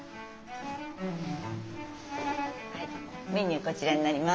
メニューこちらになります。